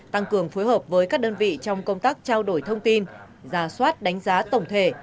tăng cường phối hợp với các đơn vị trong công tác trao đổi thông tin giả soát đánh giá tổng thể